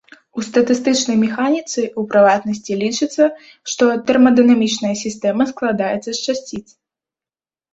У статыстычнай механіцы, у прыватнасці, лічыцца, што тэрмадынамічная сістэма складаецца з часціц.